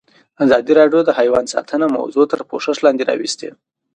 ازادي راډیو د حیوان ساتنه موضوع تر پوښښ لاندې راوستې.